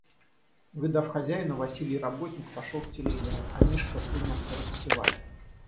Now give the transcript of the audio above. Увидав хозяина, Василий работник пошел к телеге, а Мишка принялся рассевать.